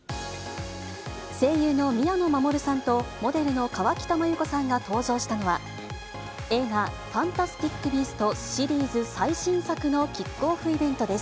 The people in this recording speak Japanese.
声優の宮野真守さんとモデルの河北麻友子さんが登場したのは、映画、ファンタスティック・ビーストシリーズ最新作のキックオフイベントです。